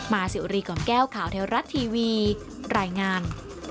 สิวรีกล่อมแก้วข่าวเทวรัฐทีวีรายงาน